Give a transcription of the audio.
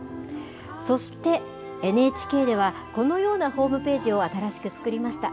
そして、ＮＨＫでは、このようなホームページを新しく作りました。